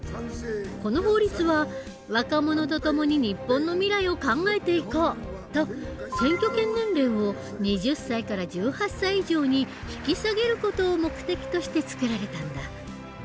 この法律は「若者とともに日本の未来を考えていこう」と選挙権年齢を２０歳から１８歳以上に引き下げる事を目的として作られたんだ。